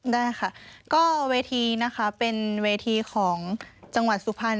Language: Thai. ได้ค่ะก็เวทีนะคะเป็นเวทีของจังหวัดสุพรรณ